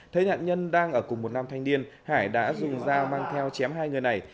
thấy nạn nhân đang ở cùng một nam thanh niên hải đã dùng dao mang theo chém hai người này